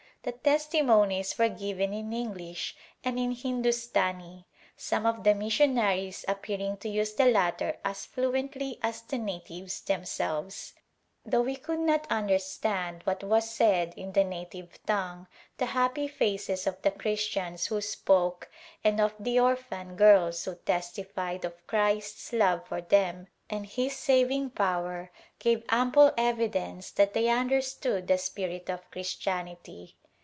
The testimonies were given in English and in Hindustani, some of the missionaries appearing to use the latter as fluently as the natives themselves. Though we could not un derstand what was said in the native tongue the happy faces of the Christians who spoke and of the orphan girls who testified of Christ's love for them and His A Glimpse of India saving power, gave ample evidence that they under stood the spirit of Christianity.